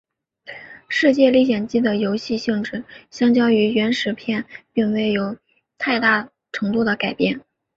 世界历险记的游戏性质相较于原始片并未有太大程度的改变。